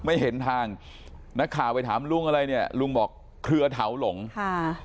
ไม่เห็นทางนักข่าวไปถามลุงอะไรเนี่ยลุงบอกเครือเถาหลงค่ะ